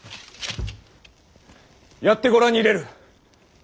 やってご覧に入れる！